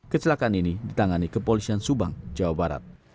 kecelakaan ini ditangani kepolisian subang jawa barat